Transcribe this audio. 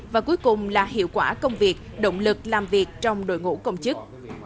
và cuối cùng là hiệu quả công việc động lực làm việc trong đội ngũ công chức